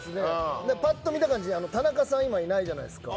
ぱっと見た感じ田中さんいないじゃないですか。